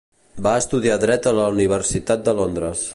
Va estudiar dret a la Universitat de Londres.